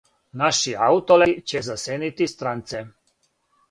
Наши Аутолети ће засенити странце!